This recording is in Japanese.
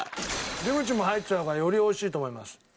キムチも入っちゃう方がより美味しいと思います。